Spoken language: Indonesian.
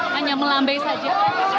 hanya melambai saja